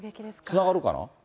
つながるかな。